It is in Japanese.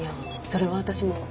それは私も。